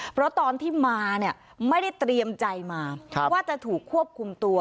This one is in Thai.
เพราะตอนที่มาเนี่ยไม่ได้เตรียมใจมาว่าจะถูกควบคุมตัว